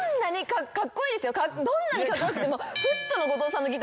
どんなにカッコ良くても。